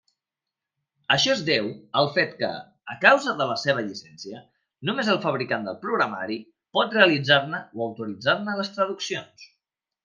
Això es deu al fet que, a causa de la seva llicència, només el fabricant del programari pot realitzar-ne o autoritzar-ne les traduccions.